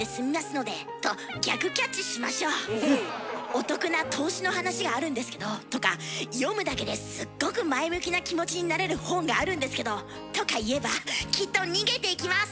「お得な投資の話があるんですけど」とか「読むだけですっごく前向きな気持ちになれる本があるんですけど」とか言えばきっと逃げていきます。